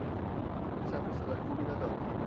این صفحه صدای خوبی ندارد.